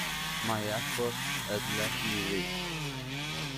My efforts had left me weak.